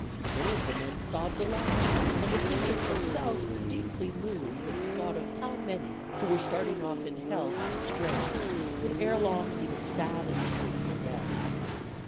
Many of the men sobbed aloud, and the Sisters themselves were deeply moved at the thought of how many, who were starting off in health and strength, would ere long meet a sad and painful death.